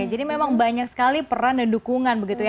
memang banyak sekali peran dan dukungan begitu ya